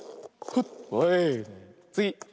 つぎ。